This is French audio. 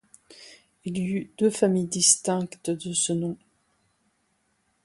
Il y eut deux familles distinctes de ce nom.